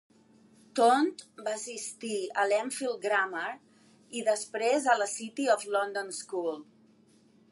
Taunt va assistir a l'Enfield Grammar, i després a la City of London School.